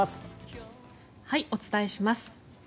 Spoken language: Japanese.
お伝えします。